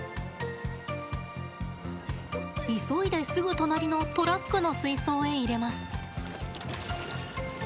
急いで、すぐ隣のトラックの水槽へ入れます。